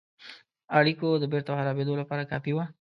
اړېکو د بیرته خرابېدلو لپاره کافي وه.